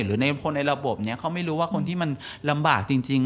หรือในคนในระบบนี้เขาไม่รู้ว่าคนที่มันลำบากจริง